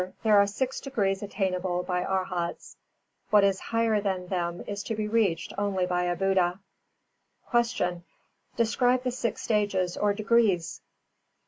There are six degrees attainable by Arhats; what is higher than them is to be reached only by a Buddha. 376. Q. _Describe the six stages or degrees?